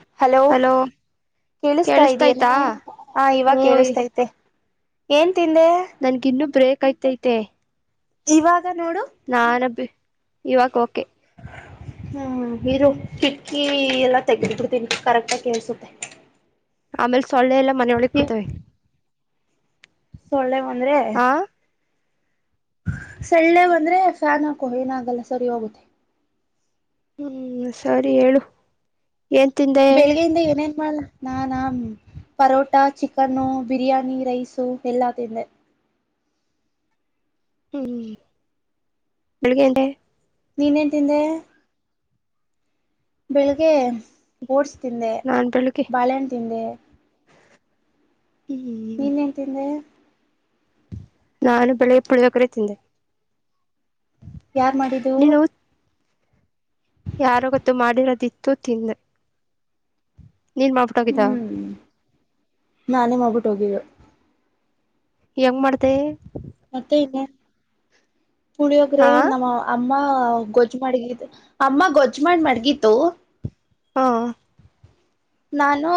ಹ ಹಲೋ ಕೇಳಿಸ್ತಾ ಇದ್ಯನೆ ಕೇಳಿಸತಯ್ತಾ ಹಾ ಇವಾಗ ಹಯ್ ಕೇಳಿಸ್ತೈತೆ ಏನ್ ತಿಂದೆ ನನ್ಗ ಇನ್ನುೂ ಬ್ರೇಕ್ ಐ್ತೈತೆ ಇವಾಗ ನೋಡು ನನ್ ಇವಾಗ ಓಕೆ ಹೂ ಇರು ಕಿಟ್ಕಿ ಎಲ್ಲ ತೆೆಗೆದ ಬಿಿಡ್ತೀನಿ ಕರೆಕ್ಟಾಗಿ ಕೇಳ್ಸುತ್ತೆ ಆಮೇಲೆ ಸೊಳ್ಳ ಎಲ್ಲ ಮನೆಯ ಒಳಿಗೆ ಬತ್ತವೆ ಸೊಳ್ಳೆ ಬಂದ್ರೆ ಆ ಸೊಳ್ಳೆ ಬಂದ್ರೆ ಫ್ಯಾನ್ ಹಾಕೋ ಏನಾಗಲ್ಲ ಸರಿ ಹೋಗುತ್ತೆ ಹೂ ಸರಿ ಹೇಳು ಏನ್ ತಿಂದೆ ನಾನಾಮ ಪರೋಟಾ ಚಿಕನ್ನು ಬಿರಿಯಾನಿ ರೈಸು ಎಲ್ಲಾ ತಿಿಂದೆ ಹೂ ಬೆಳ್ಳಗೆ ನೀನೇನ್ ತಿಂದೆ ಬೆಳಿಗ್ಗೆ ಓಡ್ಸ್ ತಿಿಂದೆ ನಾನ್ ಬೆಳಿಗ್ಗೆ ಬಾಳೆನ್ನ ತಿಿಂದೆ ಹ್ಮ್ ನೀನ್ೇನ್ ತಿಂದೆ ನಾನು ಬೆಳಗ್ಗೆ ಪುಲೋಗ್ರೆ ತಿಂದೆ ಯಾರ್ ಮಾಡಿದ್ದು ಯಾರ ಗೊತ್ತು ಮಾಡಿರೋದಿತ್ತು ತಿಂದೆ ನೀನ್ ಮಾಡ್ಬಿಟ್ಟುೋಗಿದ್ದ ಹ್ಮ್ ನಾನೇ ಮೋಗ್ಬಿಟ್ಟು ಹೋಗಿದ್ದ ಹೆಂಗ್ ಮಾಡ್ತೆ ಮತ್ತೆ ಇನ್ನೆ ಪುಳಿಯೋಗ್ರೆ ಹಾ ನಮ್ಮ ಅಮ್ಮ ಗೊಜ್ಜ್ ಮಡಗ ಅಮ್ಮ ಗೊಜ್ಜ್ಮ ಮಾಡ್ ಮಡಗಿತು ಹಾ ನಾನು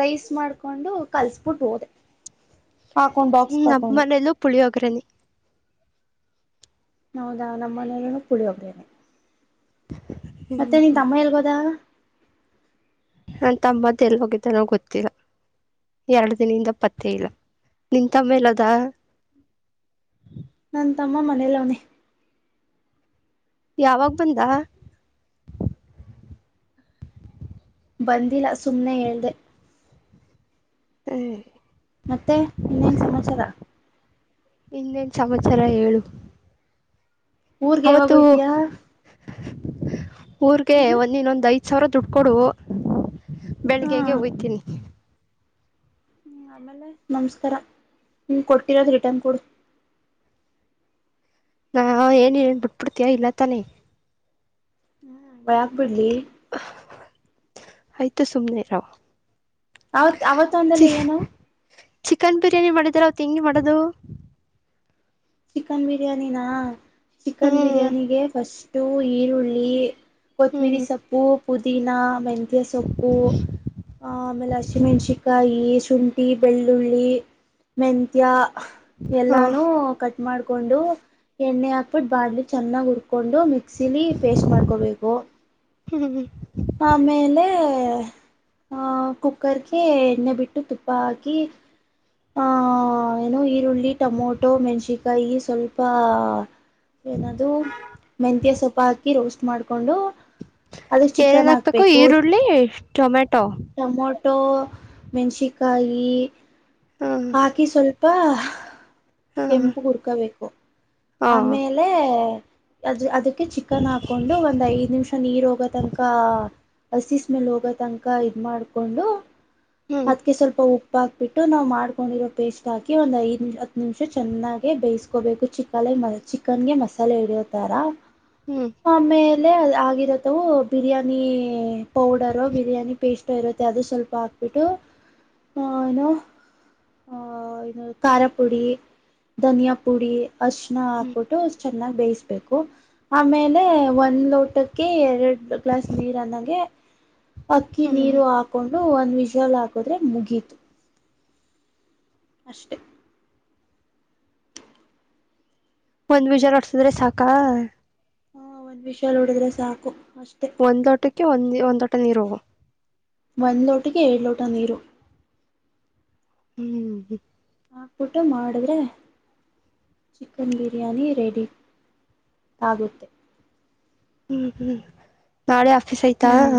ರೈಸ್ ಮಾಡ್ಕೊಂಡು ಕಲ್ಸ್ಬಿಟ್ಟು ಹೋದೆ ಹಾಕೊಂಡ್ ಹೂ ಬಾಕ್ಸ್ ನಮ್ಮ ಹಾಕೊಂಡು ಮನೇಲ್ಲೂ ಪುಳಿಯೋಗ್ರನಿ ಹೌದಾ ನಮ್ಮನೇಲ್ಲ ಪೊಲೋಗ್ರೆನ್ ಮತ್ತೆ ನಿನ್ ತಮ್ಮ ಹೇಗೋದ ನಾ ತಮ್ಮತ್ ಎಲ್ಲಿ ಹೋಗಿದ್ದ ನ ಗೊತ್ತಿಲ್ಲ ಎರಡು ದಿನದಿಂದ ಪತ್ತೆ ಇಲ್ಲ ನಿಂತಮ್ಮೇಲ ಅದ ನನ್ ತಮ್ಮ ಮನೇಲ ಅವ್ನೇ ಯಾವಾಗ ಬಂದ ಬಂದಿಲ್ಲ ಸುಮ್ನೆ ಹೇಳಳ್್ದೆ ಹ ಮತ್ತೆ ಇನ್ನೇನ್ ಸಮಾಚಾರ ಇನ್ನೇನ್ ಚಾಮಚಾರ ಹೇಳು ಊರ್ಗೆ ಯಾವಾಗ ಅವತ್ತು ಹೋಯ್ತೀಯಾ ಊರ್ಗೆ ಏನು ಒಂದ ಇನ್ನೊಂದ್ ಐದ್ ಸಾವಿರ ದುಡ್ ಕೊೊಡು ಹಾ ಬೆಳಿಗ್ಗೆ ಹೋಯ್ತೀನಿ ಹೂ ಆಮೇಲೆ ನಮಸ್ಕಾರ ನೀ ಕೊಟ್ಟಿರೋದು ರಿಟರ್ನ್ ಕೊಡು ನಾ ಏನ್ಏನ್ ಬಿಟ್ಬಿಡ್ತಯ ಇಲ್ಲ ತಾನೆ ಹೂ ಬೆಯಕ್ ಬಿಡ್ಲಿ ಆಯ್ತು ಸುಮ್ನೆ ಇರ ಅವತ್ ಅವತ್ತೊಂದಲ್ಲಿ ಏನು ಚಿಕನ್ ಬಿರಿಯಾನಿ ಮಾಡಿದರ ಅವತ್ ಹೆಂಗೆ ಮಾಡೋದು ಚಿಕನ್ ಬಿರಿಯಾನಿನ ಚಿಕನ್ ಹ್ಮ್ ಬಿರಿಯಾನಿಗೆ ಫಸ್ಟು ಈರುಳ್ಳಿ ಕೊತ್ತಂಬಿರಿ ಹ್ಮ್ ಸೊಪ್ಪು ಪುದೀನಾ ಮೆಂತಿಯ ಸೊಪ್ಪು ಆ ಆಮೇಲೆ ಿಮೆಣಸಕಾಯಿ ಶುಂಠಿ ಬೆಳ್ಳುಳ್ಳಿ ಮೆತ್ಯ ಹಾ ಎಲ್ಲಾನು ಕಟ್ಟ ಮಾಡ್ಕೊಂಡು ಎಣ್ಣೆ ಹಾಕ್ಬಿಟ್ಟು ಬಾಡ್ಲಿ ಚೆನ್ನಾಗ್ ಹುರ್ಕೊಂಡು ಮಿ ಸಿಲಿ ಪೇಸ್ಟ್ ಮಾಡ್ಕೋಬೇಕು ಹ್ಮಿ ಆ ಕುಕ್ಕರ್ಗೆ ಎಣ್ಣೆ ಬಿಟ್ಟು ತುಪ್ಪ ಹಾಕಿ ಆ ಏನೋ ಈರುಳ್ಳಿ ಟೊಮೊಟೊ ಮೆಣಸನ್ಕಾಯಿ ಸ್ವಲ್ಪ ಏನೂ ಮೆಂತಿಯ ಸೊಪ್ಪ ಹಾಕಿ ರೋಸ್ಟ್ ಮಾಡ್ಕೊಂಡು ಅದಕ್ ಏನೇನ್ ಚಿಕನ್ ಹಾಕ್ಬೇಕು ಈರುಳ್ಳಳ್ಳಿ ಟೊಮೆಟೊ ಟೊಮೊಟೊ ಮೆಣಸಕಾಯಿ ಹ್ಮ್ ಹಾಕಿ ಸ್ವಲ್ಪ ಪಪ್ಪ ಹ್ಮ್ ಕೆಂಪು ಹುರ್ಕೋಬೇಕು ಹಾ ಆಮೇಲೆ ಅ ಅದಕ್ಕೆ ಚಿಕನ್ ಹಾಕೊಂಡು ಒಂದ್ ಐದ್ ನಿಮಿಷ ನೀರ್ ಹೋಗೋ ತನಕ ಹಸಿಸ್ಮೇಲೆ ಹೋಗೋ ತನಕ ಇದ ಮಾಡ್ಕೊಂಡು ಹ್ಮ್ ಅದಕ್ಕೆ ಸ್ವಲ್ಪ ಉಪ್ಪ ಉಪ್ಪ ಹಾಕ್ಬಿಟ್ಟು ನಾವು ಮಾಡ್ಕೊಂಡಿರೋ ಪೇಸ್ಟ್ ಹಾಕಿ ಒಂದು ಐದು ನಿಮಿಷ ಹತ್ತು ನಿಮಿಷ ಚೆನ್ನಾಗಿ ಬೇಯ್ಕೋಬೇಕು ಚಿಕ್ಕ ಚಿಕನ್ ಗೆ ಮಸಾಲೆ ಹಡಿಯತಾರ ಹ್ಮ್ ಆಮೇ ಇಲ್ಲೇ ಆಗಿರತ್ತವು ಬಿರಿಯಾನಿ ಪೌಡರ್ ಬಿರಿಯಾನಿ ಪೇಸ್ಟ್ ಇರುತ್ತೆ ಅದು ಸ್ವಲ್ಪ ಹಾಕ್ಬಿಟ್ಟು ಆಹ ಏನೋ ಆಹ ಇದು ಖಾರ ಪುಡಿ ಧನಿಯಾ ಪುಡಿ ಅಷ್ಟನ ಹ್ಮ್ ಹಾಕ್ಬಿಟ್ಟು ಚೆನ್ನಾಗಿ ಬೇಯಿಸ್ಬೇಕು ಆಮೇಲೆ ಒಂದ್ ಲೋಟಕ್ಕೆ ಎರಡು ಗ್ಲಾಸ್ ನೀರನ್ನಾಗೆ [inaudible] ಅಕ್ಕಿ ಹ್ಮ್ ನೀರು ಹಾಕೊಂಡು ಒಂದ್ ವಿಷಲ್ ಹಾಕದ್ರೆ ಮುಗೀತು ಅಷ್ಟೇ ಒಂದ್ ವಿಜಾರ ನೋಡ್ಸಿದ್ರೆ ಸಾಕಾ ಹಾ ಒಂದ್ ವಿಷಯಾಲ ನೋಡಿದ್ರೆ ಸಾಕು ಅಷ್ಟೆ ಒಂದೋಟಕ್ಕೆ ಒಂದ ಒಂದೋಟ ನೀರು ಹೋಗು ಒಂದ್ ಲೋಟಕ್ಕೆ ಏಳ ಲೋಟ ನೀರು ಹ್ಮ್್ಮ ಹಾಕ್ಬಿಟ್ಟು ಮಾಡಿದ್ರೆ ಚಿಕನ್ ಬಿರಿಯಾನಿ ರೆಡಿ ಆಗುತ್ತೆ ಹ್ಮ್ ಹ್ಮ್ ನಾಳೆ ಆಫೀಸ್ ಆಐ್ತಾ ಹ್ಮ್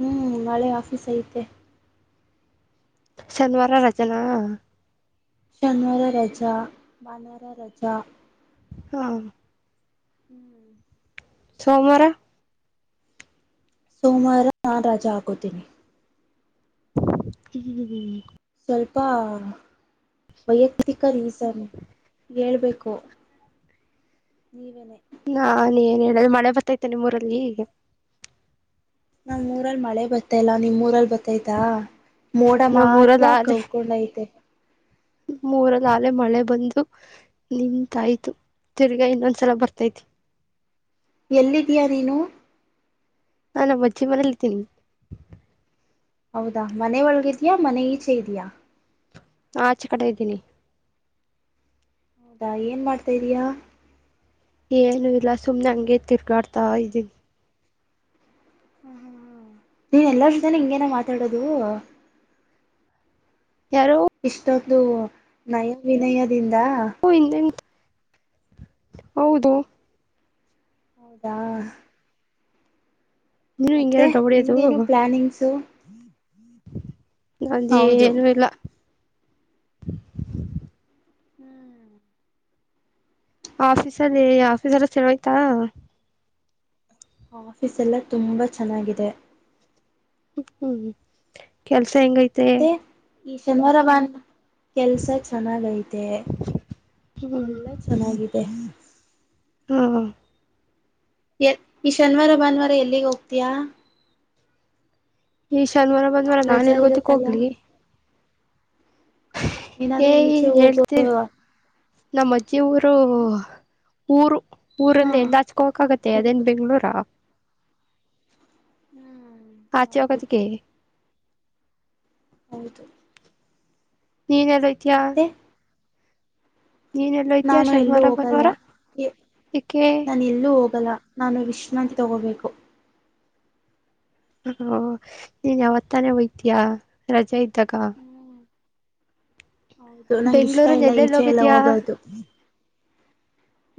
ಹ್ಮ್ ನಾಳೆ ಆಫೀಸ್ ಐತೆ ಶನಿವಾರ ರಚನಾ ಶನಿವಾರ ರಜಾ ಬಾನಾರ ರಜಾ ಹಾ ಹ್ಮ್ ಸೋಮವಾರ ಸೋಮವಾರ ನಾನ್ ರಾಜ ಹಾಕೋತೀನಿ ಹ ಸ್ವಲ್ಪ ವೈಯಕ್ತಿಕ ರೀಸನ್ ಹೇಳ್ಬೇಕು ನೀವೇನೆ ನಾಾನ ಏನ್ ಹೇಳುದು ಮಳೆ ಬರ್ತೈತೆ ನಿಮ್ಮೂರಲ್ಲಿ ನಾ್ ಮೂಊರಲ್ಲಿ ಮಳೆ ಬತ್ತಲ್ಲಾ ನಿಮ್ೂರಲ್ಲಿ ಬ ಆಯ್ತಾ ಮೋಡ ನಮ್ಮ್ ಮಾತ್ರ ಕೌಕೊಂಡೈತೆ ಮೂರ ನಾಲೆ ಮಳೆ ಬಂದು ನಿಂತಾಯ್ತು ತಿರ್ಗಾ ಇನ್ನೊಂದ್ಸಲ ಬರ್ತೈತಿ ಎಲ್ಲಿದಯಾ ನೀನು ನಾನಾ ಅಜ್ಜಿ ಮನಲಿದ್ದೀನಿ ಹೌದಾ ಮನೆ ಒಳಗಿದ್ಯಾಾ ಮನೆ ಈಚೆ ಇದ್ಯಾ ಆಚೆ ಕಡೆ ಇದ್ದೀನಿ ಹೌದಾ ಏನ್ ಮಾಡ್ತಾ ಇದ್ದಯಾ ಏನು ಇಲ್ಲ ಸುಮ್ನೆ ಹಂಗೆ ತಿರ್ಗಾಡ್ತಾವ ಇದನ್ ಹ ಹ ನೀನ್ ಎಲ್ಲಾರ ಜತೆನೆ ಹಿಂಗೇನ ಮಾತಾಡೋದು ಯಾರೋ ಇಷ್ಟೊಂದು ನಯ ವಿನಯದಿಂದ ಹಿಂದೆಂತ ಹೌದು ಹೌದಾ ನೀನು ಮತ್ತೆ ಹಿಂಗೇನೋ ಹೊಡಿಯೋದು ನಿಮ್ದೇನು ಪ್ಲಾನಿಂಗ್ಸು ಹೌದು ಏನು ಇಲ್ಲ ಹ್ಮ್ ಆಫೀಸಲ್ಲಿ ಆಫೀಸ್ಲ್ ಸೆಳಯ್ತಾ ಆಫೀಸ್ ಎಲ್ಲ ತುಂಬಾ ಚೆನ್ನಾಗಿದೆ ಹ್ಮ್ ಕೆಲ್ಸ ಹೆಂಗೈತೆ ಮತ್ತೆ ಈ ಶನಿವಾರ ಬ ಕೆಲ್ಸ ಚೆನ್ನಾಗೈತೆ ಹ್ಮ್ ಎಲ್ಲಾ ಚೆನ್ನಾಗಿದೆ ಹಾ ಎ ಈ ಶನಿವಾರ ಭಾನುವಾರ ಎಲ್ಲಿಗೆ ಹೋಗ್ತೀಯಾ ಈ ಶಾನಿವಾರ ಬಂದ್ ಮಾರ ನಾನನ್ ರಜಾ ಎಲ್ ಗೊತ್ತಕ್ ಇರುತ್ತಲ್ಲ ಹೋಗ್ಲಿ ಏ ಏನಾದ್ರೂ ಈಚೆ ಹೋಗೋ ಹೇಳ್ತೀರ್ ನಮ್ಮ ಅಜ್ಜಿ ಊರು ಏನು ಊರು ಊರಲ್ಲ ಹಾ ಎಲ್ಲ ಹಚ್ಕೋಕ್ ಆಗತ್ತೆ ಅದೇನ್ ಬೆಂಗಳೂರು ಹ್ಮ್ ಹೌದು ಹಚಕತ್ತಕ್ಕೆ ಹೌದು ನೀನ್ ಎಲ್ಲಐತಿಯಾ ಮತ್ತೆ ನಾನು ಎಲ್ಲೂ ಶನಿವಾರ ಹೋಗಲ್ಲ ಭಾನುವಾರ ಏಕೆ ನಾನ ಎಲ್ಲೂ ಹೋಗ ಲ್ಲ ನಾನು ವಿಶ್ರಾಂತಿ ತಗೋಬೇಕು ಹ ನೀನ್ ಯಾವತ್ತಾನೇ ಹಯ್ತೀಯ ರಜೆ ಇದ್ದಾಗ ಹ್ಮ್ ಹೌದು ನಂಗ ಇಷ್ಟ ಬೆಂಗ್ಳೂರಲ್ಲಿ ಇಲ್ಲ ಎಲ್ಲೆಲ್ಲಿ ಈಚೆ ಎಲ್ಲ ಹೋಗಿದ್ಯಾ ಹೋಗೋದು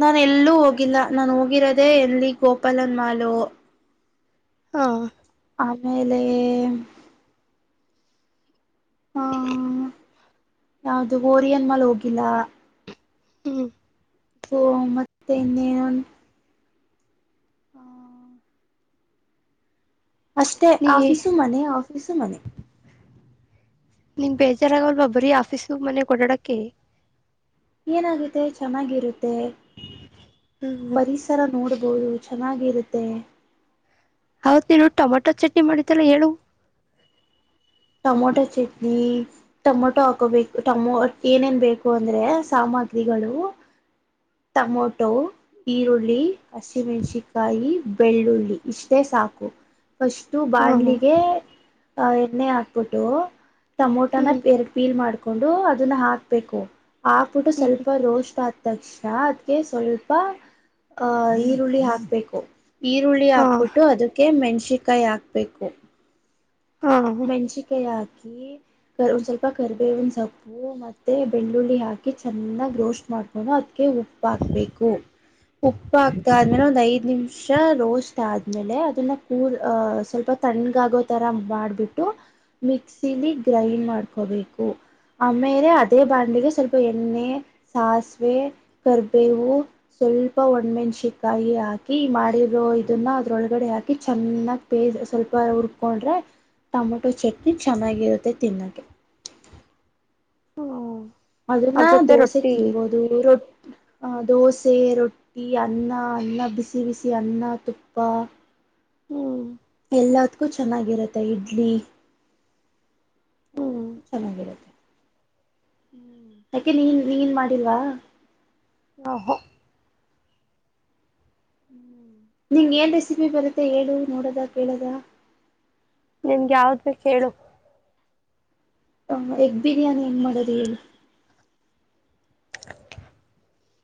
ನಾನ ಎಲ್ಲೂ ಹೋಗಿಲ್ಲ ನಾ ಹೋಗಿರೋದೆೇ ಎಲ್ಲಿ ಗೋಪಾಲನ್ ಮಾಲು ಹಾ ಆಮೇಲೆ ಹ್ಮ ಯಾವದು ಓರಿಯನ್ ಮಲ್ ಹೋಗಿಲ್ಲ ಹ್ಮ್ ಓ ಮತ್ತೆ ಇನ್ನನ್ ಹಾ ಅಷ್ಟೇ ನೀ ಆಫೀಸು ಮನೆ ಆಫೀಸು ಮನೆ ನಿಮ್ ಬೇಜಾರಾಗಲ್ವಾ ಬರೀ ಆಫೀಸು ಮನೆ ಓಡಾಡಕ ಏನಾಗುತ್ತೆ ಚೆನ್ನಾಗಿರುತ್ತೆ ಹ್ಮ್ ಪರಿಸರ ನೋಡಬ ಆಬೋದು ಚೆನ್ನಾಗಿರುತ್ತೆ ಹೌತ್ ನೀನು ಟೊಮಾಟೊ ಚಟ್ನಿ ಮಾಡಿದ್ದಲ್ಲ ಹೇಳು ಟೊಮೊಟೊ ಚಟ್ನಿ ಟೊಮೊಟೊ ಹಾಕೋಬೇಕು ಟಮೋ ಏನೇನ್ ಬೇಕು ಅಂದ್ರೆ ಸಾಮ ಮಾತ್ರಿಗಳು ಟಮೊಟೋ ಈರುಳ್ಳಿ ಹಸಿಮೆಣಸಿಕಾಯಿ ಬೆಳ್ಳುಳ್ಳಿ ಇಷ್ಟೇ ಸಾಕು ಫಸ್ಟ್ ಹಾ ಬಾಣ್ಲಿಗೆ ಎಣ್ಣೆ ಹ ಬಿಟ್ಟು ಟಮೋಟನ ಹ್ಮ್ ಎರ ಪೀಲ್ ಮಾಡ್ಕೊಂಡು ಅದನ್ನ ಹಾಕ್ಬೇಕು ಹಾಕ್ಬಿಟ್ಟು ಸ್ವಲ್ಪ ಹ್ಮ್ ರೋಸ್ಟ್ ಆ ತಕ್ಷ ಅದಕ್ಕೆ ಸ್ವಲ್ಪ ಅಹ ಈರುಳ್ಳಿ ಹಾಕ್ಬೇಕು ಈರುಳ್ಳಿ ಹಾ ಹಾಕ್ಬಿಟ್ಟು ಅದಕ್ಕೆ ಮೆಣಸಕಾಯಿ ಹಾಕಬೇಕು ಹಾ ಮೆಂಷಿಿಕ ಯಾದ ಹಾಕಿ ಒಂದ್ ಸ್ವಲ್ಪ ಕರಿಬೇವಿನ ಸೊಪ್ಪು ಮತ್ತೆ ಬೆಳ್ಳುಳ್ಳಿ ಹಾಕಿ ಾಕಿ ಚೆನ್ನಾಗ್ ರೋಸ್ಟ್ ಮಾಡ್ಕೊಂಡು ಅದಕ ಉಪ್ಪ ಹಾಕ್ಬೇಕು ಉಪ್ಪ ಆಗ್ತ ಆದ್ಮೇಲೆ ಒಂದ್ ಐದ್ ನಿಮಿಷ ರೋಸ್ಟ್ ಆದ್ಮೇಲೆ ಅದನ್ನ ಕೂಲ್ ಅ ಸ್ವಲ್ಪ ತಣ್ಗ ಆಗೋ ತರ ಮಾಡ್ಬಿಟ್ಟು ಮಿಕ್ಸಿಲಿ ಗ್ರೈಂಡ್ ಮಾಡ್ಕೋಬೇಕು ಆಮೇಲೆ ಅದೇ ಬಾಂಡಿಗೆ ಸ್ವಲ್ಪ ಎಣ್ಣೆ ಸಾಸಿವೆ ಕರ್ಬೇವು ಸ್ವಲ್ಪ ಒಣ್ ಮೆಣಸಿಕಾಯಿ ಹಾಕಿ ಮಾಡಿರೋ ಇದನ್ನ ಅದ್ರೊಳಗಡೆ ಹಾಕಿ ಚೆನ್ನಾಗಿ ಪೇಯ ಸ್ವಲ್ಪ ಹುರ್ಕೊಂಡ್ರೆ ಟೊಮೊಟೊ ಚಟ್ನಿ ಚೆನ್ನಾಗಿರುತ್ತೆ ತಿನ್ನೋಕ್ಕೆ ಹ್ಮ ಅದ್ರನ್ನ ದೋಸೆ ತಿನ್ಬೋದು ರೊ ದೋಸೆ ರೊಟ್ಟಿ ಅನ್ನ ಅನ್ನ ಬಿಸಿ ಬಿಸಿ ಅನ್ನ ತುಪ್ಪ ಹ್ಮ್ ಎಲ್ಲದ್ಕ್ಕೂ ಚೆನ್ನಾಗಿರುತ್ತೆ ಇಡ್ಲಿ ಅಲ್ಲ ಹ್ಮ್ ಅು ಚೆನ್ನಾಗಿರುತ್ತೆ ಹ್ಮ ಯಾಕೆ ನೀನ್ ನೀನ್ ಮಾಡಿಲ್ವಾ ಆ ಹೋ ಹ್ಮ ನಿಂಗ ಏನ್ ರೆಸಿಪಿ ಬರುತ್ತೆ ಹೇಳು ನೋಡದ ಕೇಳದ ನಿನ್ಗೆ ಯಾವ್ದ್ ಬ ಹೇಳು ಹ ಎಗ್ ಬಿರಿಯಾನಿ ಹೆಂಗ್ ಮಾಡೋದು ಹೇಳ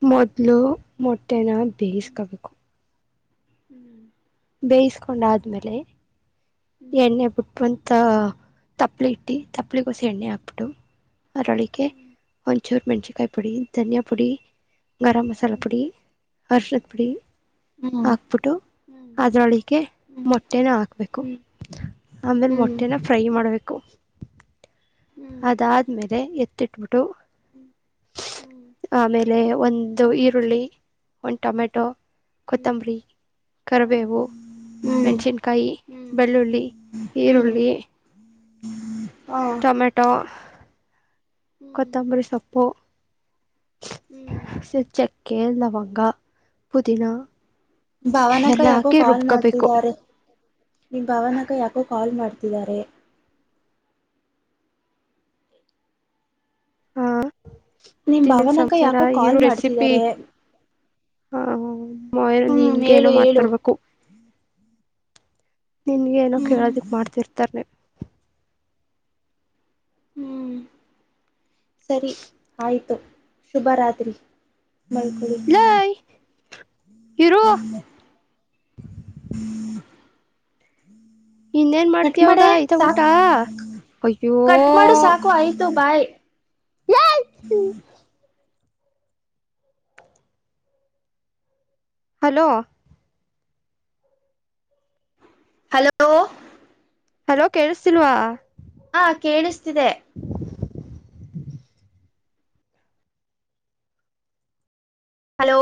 ಮೊದ್ಲು ಮೊಟ್ಟೆನ ಬೇಯಿಸ್ಕಬೇಕು ಹ್ಮ್ ಬೇಯಿಸಕೊಂಡ ಆದ್ಮೇಲೆ ಎಣ್ಣೆ ಬಿುಟ್ಂತ ತಪ್ಲಿ ಇಟ್ಟು ತಪ್ಲಿಗೋಸಿ ಎಣ್ಣೆ ಹಾಕ್ಬಿಟ್ಟು ಅದರೊಳಿಗೆ ಒಂಚೂರು ಮೆಣ್ಚಿಕಾಯಿ ಪುಡಿ ಧನಿಯಾ ಪುಡಿ ಗರಂ ಮಸಾಲಾ ಪುಡಿ ಹರ್ಷದ ಪುಡಿ ಹ್ಮ್ ಹ್ಮ್ ಹಗ್ಬುಟು ಹ್ಮ್ ಅದ್ರೊಳಗೆ ಹ್ಮ್ ಮೊಟ್ಟೆನ ಹಾಕ್ಬೇಕು ಹ್ಮ್ ಆಮೇಲೆ ಹ್ಮ್ ಹ್ಮ್ ಹ್ಮ್ ಹ್ಮ್ ಹ್ಮ್ ಹ್ಮ್ ಹ್ಮ್ ಹ್ಮ್ ಹ್ಮ್ ಮೊಟ್ಟೆನ ಫ್ರೈ ಮಾಡ್ಬೇಕು ಅದಾದ್ಮೇಲೆ ಎತ್ತಿಟ್ಬಿಟ್ಟು ಆಮೇಲೆ ಒಂದು ಈರುಳ್ಳಿ ಒಂದು ಟೊಮೆಟೊ ಹ್ಮ್ ಕೊತ್ತಂಬರಿ ಕರಿಬೇವು ಹ್ಮ್ ಮೆಣ್ಸಿನ್ಕಾಯಿ ಬೆಳ್ಳುಳ್ಳಿ ಹ್ಮ್ ಈರುಳ್ಳಿ ಹ್ಮ್ ಟೊಮೆಟೊ ಹ್ಮ್ ಕೊತ್ತಂಬರಿ ಸೊಪ್ಪು ಸ ಚಕ್ಕೆ ಲವಂಗ ಪುದಿನ ಭವನಕ್ಕ ಯಾಕೋ ಕಾಲ್ ಮಾಡ್ತಿದ್ದಾರೆ ನೀ ಭವನಕ್ಕ ಯಾಕೋ ಕಾಲ್ ಮಾಡ್ತಿದ್ದಾರೆ ನಿಮ್ ಹಾತ್ತನ್ನಿನ ಭಾವನಕ ಸಂಚಾರ ಯಾಕೋ ಕಾಲ್ ಇರು ರೆಸಿಪಿ ಮಾಡ್ತಿದ್ದಾರೆ ಹಾ ಮ ಹ್ಮ್ ನಿನ್ಗೆ ಹೇಳು ಏನೋ ಹೇಳು ಮಾಡ್ತರ್ಬೇಕು ನಿನ್ಗ ಏನೋ ಹ್ಮ್ ಕೇಳೋದಕ್ ಮಾಡ್ತಿರ್ತಾರ್ನ ಹ್ಮ್ ಸರಿ ಆಯ್ತು ಶುಭರಾತ್ರಿ ಬಲ್ಕುಲ್ ಹರೋ ಇನ್ನೇನ್ ಕಟ್ ಮಾಡ್ತವಾಗ ಮಾಡೆ ಈ ಊಟ ಸಾಕು ಅಯ್ಯೋ ಕಟ್ ಮಾಡು ಸಾಕು ಆಯ್ತು ಬಾಯ್ ಹಲೋ ಹಲೋ ಹಲೋ ಕೇಳಿಸ್ತಿಲ್ವಾ ಹ ಕೇಳಿಸ್ತಿದೆ ಹಲೋ